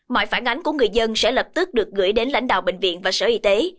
mọi phản ánh của người dân sẽ lập tức được gửi đến lãnh đạo bệnh viện và sở y tế